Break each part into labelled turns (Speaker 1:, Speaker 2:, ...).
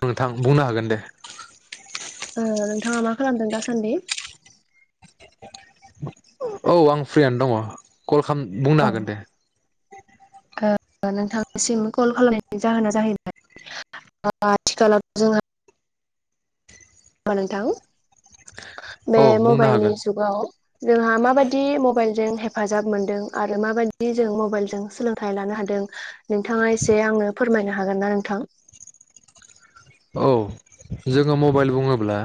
Speaker 1: नोंथां बुंनो हागोन दे।
Speaker 2: ओ नोंथाङा मा खालामदों दासान्दि?
Speaker 1: औ आं फ्रियानो दङ'। कल खाम बुंनो हागोन दे।
Speaker 2: ओ नोंथांनिसिम कल खालामनायनि जाहोना जाहैबाय [unintelligible] ओ नोंथां। बे
Speaker 1: औ बुंनो
Speaker 2: मबाइलनि
Speaker 1: हागोन
Speaker 2: जुगाव जोंहा माबादि मबाइलजों हेफाजाब मोनदों आरो माबायदि जों मबाइलजों सोलोंथाइ लानो हादों नोंथाङा एसे आंनो फोरमायनो हागोन ना नोंथां?
Speaker 1: औ जोङो मबाइल बुङोब्ला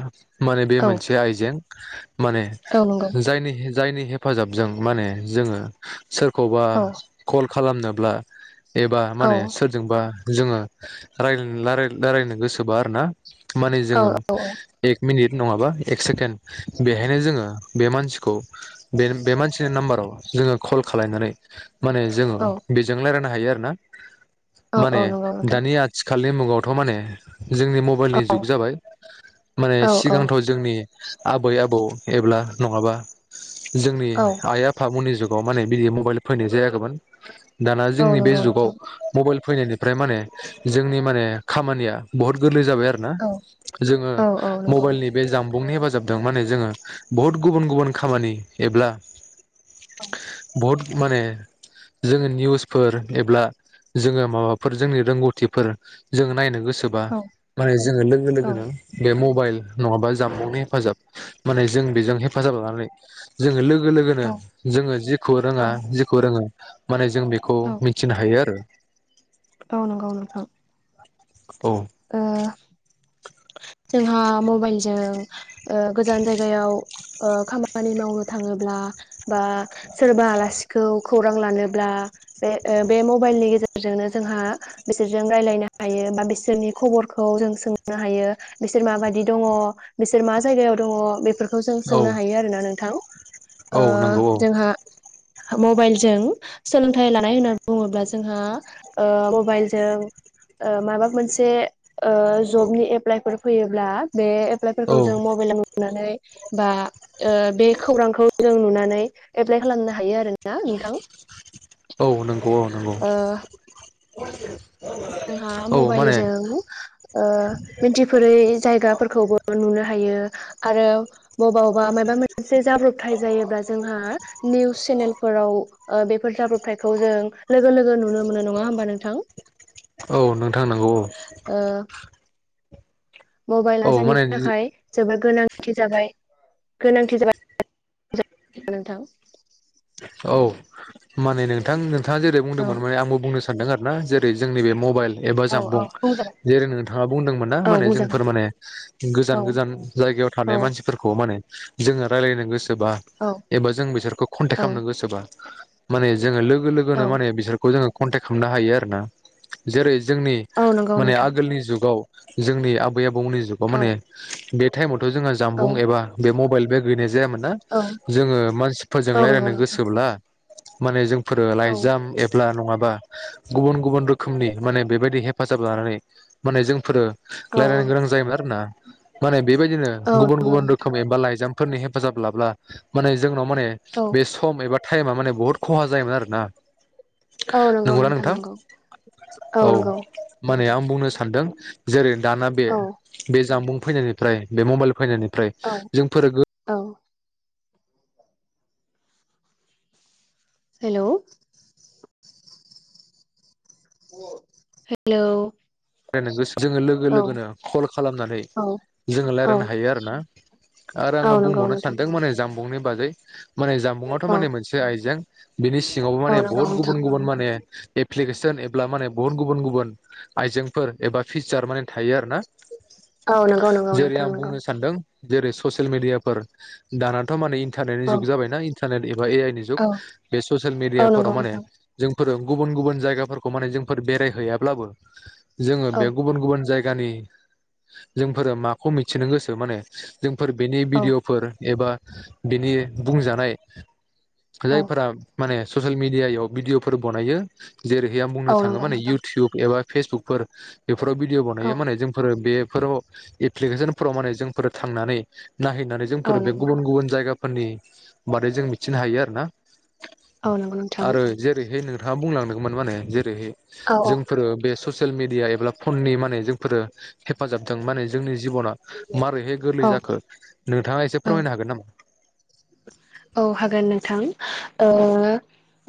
Speaker 1: माने बे
Speaker 2: औ
Speaker 1: मोनसे आइजें। [inaudible] माने
Speaker 2: औ नंगौ
Speaker 1: जायनि जायनि हेफाजाबजों माने जोङो सोरखौबा
Speaker 2: औ
Speaker 1: कल खालामनोब्ला एबा
Speaker 2: औ
Speaker 1: माने सोरजोंबा जोङो राय लाराय रायलायनो गोसो बा आरो ना। माने
Speaker 2: औ
Speaker 1: जोङो एक मिनिट नङाबा एक सेकेण्ड बेहायनो जोङो बे मानसिखौ बे-बे मानसिनि नाम्बाराव जोङो कल खालायनानै माने जोङो
Speaker 2: औ
Speaker 1: बेजों रायलायना हायो आरोना।
Speaker 2: औ औ
Speaker 1: माने
Speaker 2: नंगौ नोंथां
Speaker 1: दानि आथि खालनि मुगावथ' माने जोंनि मबाइलनि
Speaker 2: औ
Speaker 1: जुग जाबाय माने
Speaker 2: औ औ
Speaker 1: सिगांथ' जोंनि आबै आबौ एब्ला नङाबा जोंनि
Speaker 2: औ
Speaker 1: आइ आफामोननि जुग आव माने बिदि मबाइल फैनाय जायाखैमोन। दाना
Speaker 2: औ
Speaker 1: जोंनि बे
Speaker 2: नंगौ
Speaker 1: जुगाव
Speaker 2: नोंथां
Speaker 1: मबाइल फैनायनिफ्राय माने जोंनि माने खामानिया बहुत गोरलै जाबाय आरोना
Speaker 2: औ
Speaker 1: जोङो
Speaker 2: औ औ नंगौ
Speaker 1: मबाइलनि बे जाम बुंनि हेफाजाबजों माने जोङो बहुत गुबुन-गुबुन खामानि एब्ला
Speaker 2: औ
Speaker 1: बहत माने जोङो निउसफोर एब्ला जोङो माबाफोर जोंनि रोंगौथिफोर जों नायनो गोसो बा
Speaker 2: औ
Speaker 1: माने जोङो लोगो
Speaker 2: औ
Speaker 1: लोगोनो बे म बाइल नङाबा जानबुंनि हेफाजाब माने जों बेजों हेफाजाब लानानै जोङो लोग लोगो-लोगोनो जोङो जेखौ रोङा जेखौ रोङो माने जों बेखौ
Speaker 2: औ
Speaker 1: मिथिनो हायो आरो।
Speaker 2: औ नंगौ नोंथां
Speaker 1: औ
Speaker 2: ओ जोंहा मबाइलजों ओ गोजान जायगायाव ओ खामानि मावनो थाङोब्ला बा सोरबा आलासिखौ खौरां लानोब्ला बे ओ बे मबाइलनि गेजेरजोंनो जोंहा बिसोरजों रायलायनो हायो बा बिसोरनि खबरखौ जों सोंनो हायो बिसोर माबायदि दङ बिसोर मा जायगायाव दङ बेफोर खौ जों
Speaker 1: औ
Speaker 2: सोंनो हायो आरोना नोंथां ओ
Speaker 1: औ नंगौ
Speaker 2: जोंहा मबाइलजों सोलोंथाइ लानाय होननानै बुङोब्ला ओ जोंहा मबाइलजों ओ माबा मोनसे ओजबनि एप्लाइफोर फैयोब्ला बे
Speaker 1: औ
Speaker 2: एप्लाइफोरखौ जों मबाइलाव नुनानै बा ओ बे खौरांखौ जों नुनानै नै एप्लाय खालामनो हायो आरोना नोंथां
Speaker 1: औ नंगौ औ नंगौ।
Speaker 2: ओ
Speaker 1: [unintelligible]
Speaker 2: जोंहा
Speaker 1: औ माने
Speaker 2: मबाइलजों ओ मिनथिफेरै जायगाफोरखौबो नुनो हायो आरो बबावबा माबा मोनसे जाब्रबथाय जायोब्ला जोंहा निउस चेनेल फोराव ओ बेफोर जाब्रबथायखौ जों लोगो-लोगो नुनो मोनो नङा होमबा नोंथां
Speaker 1: औ नोंथां नंगौ औ
Speaker 2: ओ मबाइला
Speaker 1: औ
Speaker 2: जोंनि
Speaker 1: माने
Speaker 2: थाखाय जोबोद गोनांथि जाबाय गोनांथि जाबाय [inaudible] नोंथां
Speaker 1: औ माने नोंथां नोंथाङा जेरै
Speaker 2: औ
Speaker 1: बुंदोंमोन माने आंबो बुंनोसै सानदों आरो ना जे जोंनि बे मबाइल एबा
Speaker 2: औ औ
Speaker 1: जामबुं
Speaker 2: बुंजागोन
Speaker 1: जेरै नोंथाङा बुंदोंमोन ना
Speaker 2: औ
Speaker 1: माने
Speaker 2: बुंजागोन
Speaker 1: जोंफोर माने
Speaker 2: औ
Speaker 1: गोजान-गोजान जायगायाव
Speaker 2: औ
Speaker 1: थानाय मानसिफोरखौ माने जोङो रायज्लायनी गोसो
Speaker 2: औ
Speaker 1: एबा जों बिसोरखौ कनटेक
Speaker 2: औ
Speaker 1: गोसोबा माने जों लोगो
Speaker 2: औ
Speaker 1: लोगोनो माने बिसोरखौ जोङो कनटेक्ट खालामनो हायो आरो ना जेरै जोंनि
Speaker 2: औ नंगौ
Speaker 1: माने
Speaker 2: नोंथां
Speaker 1: आगोलनि जुगाव जोंनि आबै आबौ उननि जुगाव
Speaker 2: औ
Speaker 1: माने बेे थाइम जोङो
Speaker 2: औ
Speaker 1: जामबुं एबा बे मबाइल बे गैनाय जायामोन
Speaker 2: औ
Speaker 1: जोङो मानसिफोरजों
Speaker 2: औ नंगौ
Speaker 1: रायज्लायनो
Speaker 2: नोंथां
Speaker 1: गोसोब्ला माने जों फोरो
Speaker 2: औ
Speaker 1: लाइजाम एब्ला नङाबा गुबुन गुबुन रोखोमनि माने बेबायदि हेफाजाब लानानै माने जोंफोरो
Speaker 2: औ
Speaker 1: रायजलायनो गोनां जायोमोन आरो ना माने बेबायदिनो
Speaker 2: औ
Speaker 1: गुबुन
Speaker 2: नंगौ
Speaker 1: गुबुन
Speaker 2: नोंथां
Speaker 1: रोखोम एबा लाइजाम फोरनि हेफाजाब लाब्ला माने जोंनाव माने
Speaker 2: औ
Speaker 1: बे एबा टाइमा माने बुहुत खहा जायोमोन आरो ना
Speaker 2: औ नंगौ नोंथांंगौ औ नंगौ।
Speaker 1: माने आं बुंनो सानदों जेरै दाना बे
Speaker 2: औ
Speaker 1: बे जामबुं फैनायनिफ्राय बे मबाइल फैनायनि ओमफ्राय
Speaker 2: औ
Speaker 1: जोंफोर गो
Speaker 2: औ हेल' हेल'
Speaker 1: दे नों गोस जोङो लोगो लोगोनो कल खालामनानै
Speaker 2: औ
Speaker 1: जोङो
Speaker 2: औ
Speaker 1: रायजलायनो हायो आरोना आरो
Speaker 2: औ
Speaker 1: आङो
Speaker 2: नंगौ
Speaker 1: बुंबावनो
Speaker 2: नोंथां
Speaker 1: सानदों माने जामब बुंनि बागै माने जामबुंआवथ'
Speaker 2: औ
Speaker 1: माने मोनसे आइजों । बिनि सिङावबो
Speaker 2: औ
Speaker 1: माने
Speaker 2: नंगौ
Speaker 1: बुहुत
Speaker 2: नोंथां
Speaker 1: गुबुन गुबुन माने एप्लिकेसन एब्ला माने बुहुत गुबुन गुबुन आइजें फोर एबा फिसार माने थायो आरो ना।
Speaker 2: औ नंगौ नंगौ नोंथां नंगौ।
Speaker 1: सानदों जेरै ससियेल मिडियाफोर दानाथ' माने थानायनि
Speaker 2: औ
Speaker 1: जुग जाबायना इन [unintelligible] बा ए आइ नि जुग
Speaker 2: औ
Speaker 1: बे ससियेल
Speaker 2: औ नंगौ
Speaker 1: मेडियाफोराव माने
Speaker 2: नोंथां
Speaker 1: जोंफोरो गुबुन गुबुन जायगाफोरखौ माने जोंफोर बेरायहैयाब्लाबो जोङो
Speaker 2: औ
Speaker 1: बे गुबुन गुबुन जायग जायगानि जोंफोरो माखौ मिथिनो गोसो माने जोंफोर बेनि
Speaker 2: औ
Speaker 1: भिडिअ'फोर एबा बिनि बुंजानाय
Speaker 2: औ
Speaker 1: जायफोरा माने ससियेल मेडियायाव भिडिअ'फोर बनायो जेरैहाय आं बुंनो
Speaker 2: औ
Speaker 1: थाङो
Speaker 2: नंगौ
Speaker 1: माने
Speaker 2: नोंथां
Speaker 1: इउटुब एबा फेसबुक फोर बेफोराव भिडिअ'
Speaker 2: औ
Speaker 1: बानायो माने जोंफोरो बे फोराव एप्लिकेसनफोराव माने जोंफोर थांनानै नाहैनानै
Speaker 2: औ
Speaker 1: जोंफोर बे
Speaker 2: नंगौ
Speaker 1: गुबुन गुबुन जायगा फोरनि बादै जों मिथिनो हायो आरो ना।
Speaker 2: औ नंगौ नोंथां
Speaker 1: आरो जेरैहाय नोंथाङा बुंलां [unintelligible] जेरैहाय
Speaker 2: औ औ
Speaker 1: जोंफोरो बे ससे ससियेल मेडिया एब्ला फननि माने जोंफोरो हेफाजाबदों माने जोंनि जिबना मारैहाय
Speaker 2: औ
Speaker 1: गोरलै जाखो नोंथाङा एसे
Speaker 2: औ
Speaker 1: फोरमायनो हागोन नामा?
Speaker 2: औ हागोन नोंथां ओ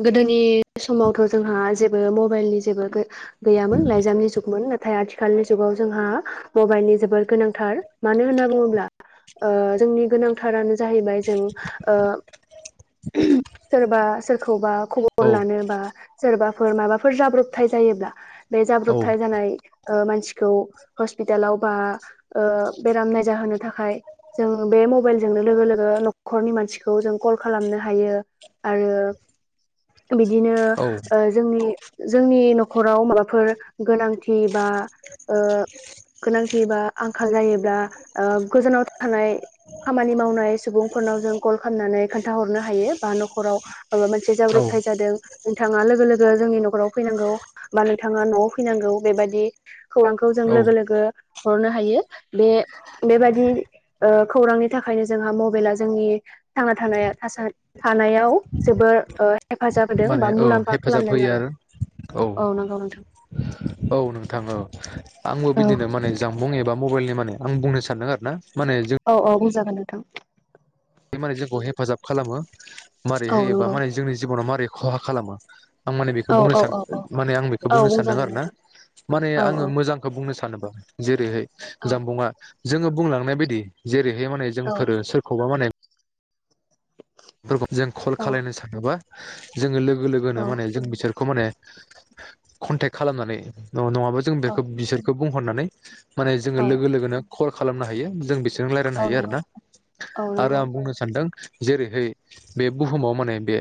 Speaker 2: गोदोनि समावथ' जोंहा जेबो मबाइलनि जेबो गो गैयामोन लाइजामनि जुगमोन नाथ थाय आथिखालनि जुगाव जोंहा मबाइलनि जोबोर गोनांथार मानो होनना बुङोब्ला ओ जोंनि गोनांथारानो जाहैबाय जों ओ सोरबा सोरखौबा खबर
Speaker 1: औ
Speaker 2: लानो बा सोरबा फोर माबाफोर जाब्रबथाइ जायोब्ला बे
Speaker 1: औ
Speaker 2: जाब्रबथाय जानाय ओ मानसिखौ हस्पिटालाव बा ओ बेराम नायजाहोनो थाखाय जों बे मबेइलजोंनो लोगो लोगो [unintelligible] खरनि मानसिखौ जों कल खालामनो हायो। आरो बिदिनो
Speaker 1: औ
Speaker 2: ओ जोंनि जोंनि न'खराव माबाफोर गोनांथि बा ओ गोनांथि बा आंखाल जायोब्ला ओ गोजानाव थानाय खामानि मावनाय सु फनाव जों कल खालामनानै खोन्थाहरनो हायो बा नखराव माबा मोनसे
Speaker 1: औ
Speaker 2: जाब्रबथाय जादों उम नोंथाङा लोगो लोगो जोंनि नखराव फैनांगौ बा नोंथाङा नआव फैनांगौ बेबादि खौरांखौ जों
Speaker 1: औ
Speaker 2: लोगो लोगो हरनो हायो बे बेबादि ओ खौरांनि थाखायनो जोंहा मबेइला जोंनि थांना थानाया थासान थानायाव जोबो ओ हेफाजाब होदों
Speaker 1: माने
Speaker 2: बा
Speaker 1: औ
Speaker 2: मुलाम्फा
Speaker 1: हेफाजाब
Speaker 2: खालामदों
Speaker 1: होयो
Speaker 2: आरो औ नंगौ नोंथां
Speaker 1: औ नोंथां औ आंबो
Speaker 2: औ
Speaker 1: बिदिनो माने जामबुं एबा मबाइलनि माने आं बुंनो सानदों आरो ना माने जों
Speaker 2: अ अ बुजि जागोन नोंथां।
Speaker 1: माने जोंखौ हेफाजाब खालामो। मारै
Speaker 2: औ
Speaker 1: होयोबा
Speaker 2: नंगौ
Speaker 1: माने जोंनि जिबनाव मा बे खहा खालामो आं माने बेखौ
Speaker 2: औ
Speaker 1: बुंनो
Speaker 2: औ
Speaker 1: सान
Speaker 2: औ औ
Speaker 1: माने आं बेखौ
Speaker 2: औ
Speaker 1: बुंनो सानदों
Speaker 2: बुंजागोन
Speaker 1: आरो ना
Speaker 2: नोंथां
Speaker 1: माने
Speaker 2: औ औ
Speaker 1: आङो मोजांखौ बुंनो सान [unintelligible] जेरैहाय
Speaker 2: औ
Speaker 1: जामबुंङा जोङो बुंलांनाय बायदि जे बैहाय माने
Speaker 2: औ
Speaker 1: जोंफोर सोरखौबा माने फोरखौ जों कल
Speaker 2: औ
Speaker 1: खालायनो सानोबा जोङो लोगो लोगोनो माने जों बिसोरखौ माने कनटेक्ट खालामनानै न-नङाबा जों
Speaker 2: औ
Speaker 1: बेखो बिसोरखो बुंहरनानै माने जोङो
Speaker 2: औ
Speaker 1: लोगो लोगोनो खल खालामनो हायो जों बिसो जों रायजलायनो
Speaker 2: औ
Speaker 1: हायो
Speaker 2: नंगौ
Speaker 1: आरोना
Speaker 2: औ नंगौ
Speaker 1: आरो आं बुंनो सानदों जेरै एय बे बुहुमाव माने बे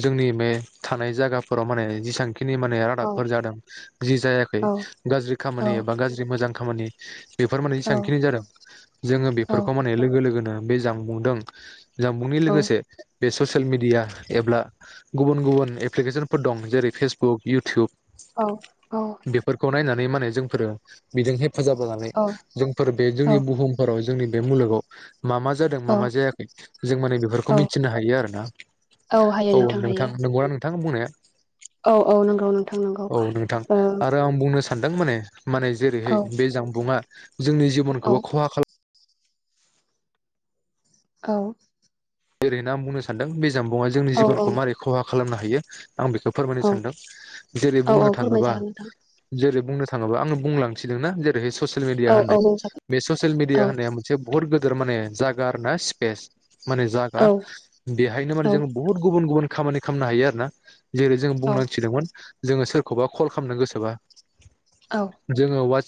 Speaker 1: जोंनि मे थानाय जायगाफोराव माने जेसां खिनि माने
Speaker 2: औ
Speaker 1: रादाबफोर जादों जि जायाखै
Speaker 2: औ
Speaker 1: गाज्रि
Speaker 2: औ
Speaker 1: खामानि एबा गाज्रि मोजां खामानि बेफोर माने
Speaker 2: औ
Speaker 1: जेसांखिनि जादों जोङो
Speaker 2: औ
Speaker 1: बेफोरखौ माने लोगो लोगोनो बे जांबुंदों जानबुंनि
Speaker 2: औ
Speaker 1: लोगोसे बे ससियेल मिडिया एबब्ला गुबुन गुबुन एप्लिकेसनफोर दं जेरै फेसबुक इउटुब
Speaker 2: औ
Speaker 1: बेफोरखौ नायना नै माने जोंफोरो बेजों हेफ फोजाबोनानै जोंफोर बे
Speaker 2: औ
Speaker 1: जोंनि बुहुमफोराव जोंनि बे मुलुगाव मा मा जादों मा
Speaker 2: औ
Speaker 1: मा जायाखै जों माने बेफोरखौ मिन थिनो हायो आरो ना औ नोंथां नंगौना नोंथां बुंनाया?
Speaker 2: औ औ नंगौ नोंथां
Speaker 1: [unintelligible]
Speaker 2: नंगौ
Speaker 1: औ नोंथां
Speaker 2: ओ
Speaker 1: आरो आं बुंनो सानदों माने माने जेरैहाय
Speaker 2: औ
Speaker 1: बे जामबुंङा जोंनि
Speaker 2: औ
Speaker 1: जिबनखौबो खहा खालाम
Speaker 2: औ
Speaker 1: जेरैना आं बुंनो सानदों बे जामबुङा जों
Speaker 2: औ
Speaker 1: जिबनखौ मारै खहा खालामनो हायो। आं बेखौ फोरमायनो
Speaker 2: औ
Speaker 1: सानदों जेरै
Speaker 2: औ औ
Speaker 1: बुंनो थाङोबा
Speaker 2: फोरमायजागोन नोंथां
Speaker 1: जेरै बुंनो था थाङोबा आं बुंलांसिदोंना? ओरैहै ससियेल मिडिया
Speaker 2: औ
Speaker 1: होननाय
Speaker 2: औ बुंजागोन
Speaker 1: बे ससियेल
Speaker 2: औ
Speaker 1: मिडिया होननाया मोनसे बुहुत गोदोर माने जागा आरोना स्पेस माने हा
Speaker 2: औ
Speaker 1: बेहायनो माने
Speaker 2: औ
Speaker 1: जोङो बुहुत गुबुन गुबुन खामानि खामनो हायो आरो ना? जेरै जों बुंनांथिदोंमोन जोङो सोरखौबा कल खालामनो गोसोबा
Speaker 2: औ औ
Speaker 1: जोङो उवाट